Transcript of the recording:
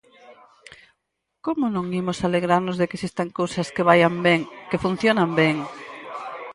¿Como non imos alegrarnos de que existan cousas que vaian ben, que funcionan ben?